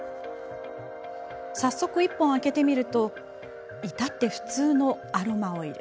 早速、１本開けてみると至って普通のアロマオイル。